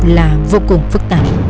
là vô cùng phức tạp